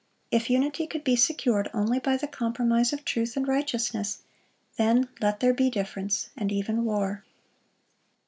If unity could be secured only by the compromise of truth and righteousness, then let there be difference, and even war.